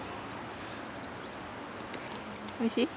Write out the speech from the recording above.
おいしい？